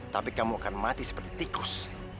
tapi kamu akan mati seperti tikus